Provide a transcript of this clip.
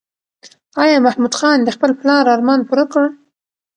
ایا محمود خان د خپل پلار ارمان پوره کړ؟